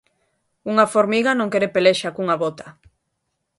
Unha formiga non quere pelexa cunha bota.